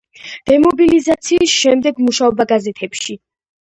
დემობილიზაციის შემდეგ მუშაობდა გაზეთებში.